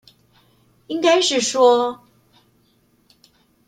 應該是說